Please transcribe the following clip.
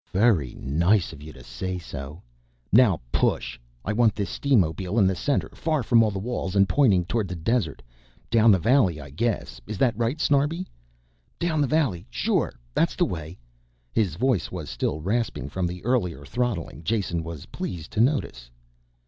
"Very nice of you to say so. Now push. I want this steamobile in the center, far from all the walls, and pointing towards the desert. Down the valley I guess, is that right, Snarbi?" "Down the valley, sure, that's the way." His voice was still rasping from the earlier throttling, Jason was pleased to notice.